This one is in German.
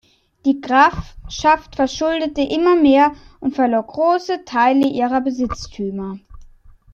Die Grafschaft verschuldete immer mehr und verlor große Teil ihrer Besitztümer.